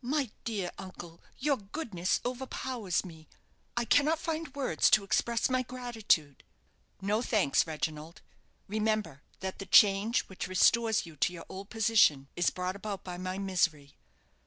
"My dear uncle, your goodness overpowers me. I cannot find words to express my gratitude." "No thanks, Reginald. Remember that the change which restores you to your old position is brought about by my misery.